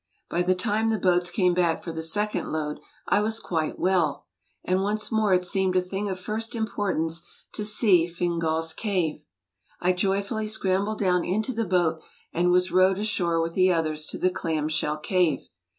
By the time the boats came back for the second load I was quite well and once more it seemed a thing of first importance to see Fingal's Cave. I joyfully scrambled down into the boat and was rowed ashore with the others to the Clamshell cave.